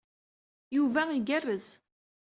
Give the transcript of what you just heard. Yuba igerrez.